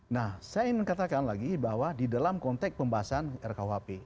nah saya ingin katakan lagi bahwa di dalam konteks pembahasan rkuhp